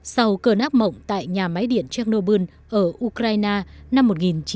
sau cơn ác mộng tại nhà máy điện chernobyl ở ukraine năm một nghìn chín trăm tám mươi sáu